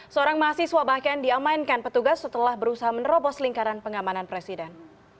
seorang mahasiswa bahkan diamankan petugas setelah berusaha menerobos lingkaran pengamanan presiden